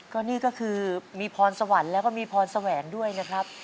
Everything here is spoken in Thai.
ก็นี่ก็คือมีพรสวรรค์แล้วก็มีพรแสวงด้วยนะครับ